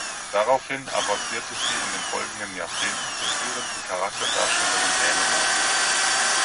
Daraufhin avancierte sie in den folgenden Jahrzehnten zur führenden Charakterdarstellerin Dänemarks.